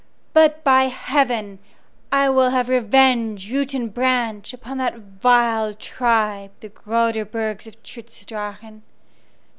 But, by heavens! I will have revenge, root and branch, upon that vile tribe, the Roderburgs of Trutz Drachen.